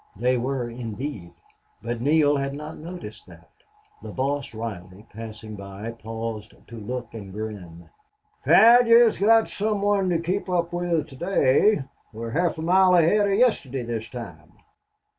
They were, indeed, but Neale had not noted that. The boss, Reilly, passing by, paused to look and grin. "Pat, yez got some one to kape up with to day. We're half a mile ahead of yestidy this time."